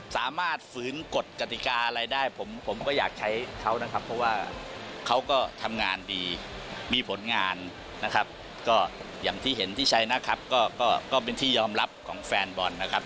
ฝืนกฎกติกาอะไรได้ผมผมก็อยากใช้เขานะครับเพราะว่าเขาก็ทำงานดีมีผลงานนะครับก็อย่างที่เห็นที่ใช้นะครับก็เป็นที่ยอมรับของแฟนบอลนะครับ